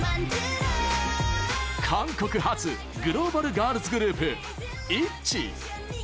韓国発グローバルガールズグループ、ＩＴＺＹ。